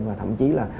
và thậm chí là